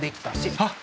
あっ！